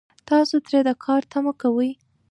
تاسو ترې د کار تمه کوئ